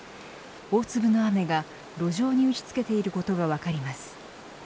大粒の雨が路上に押し付けていることが分かります。